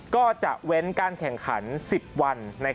ก็จะเว้นการแข่งขัน๑๐วัน